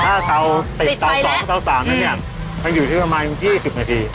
ถ้าเตาติดเตา๒เตา๓นั้นเนี่ยมันอยู่ที่ประมาณ๒๐นาที